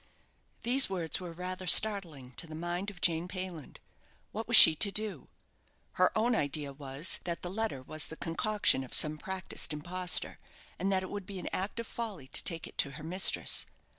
'" These words were rather startling to the mind of Jane Payland. What was she to do? Her own idea was, that the letter was the concoction of some practised impostor, and that it would be an act of folly to take it to her mistress.